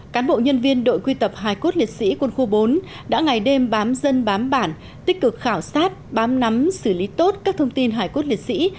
cán bộ nhân viên đội quy tập hải cốt liệt sĩ quân khu bốn đã ngày đêm bám dân bám bản tích cực khảo sát bám nắm xử lý tốt các thông tin hải cốt liệt sĩ